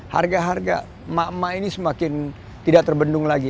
harga harga emak emak ini semakin tidak terbendung lagi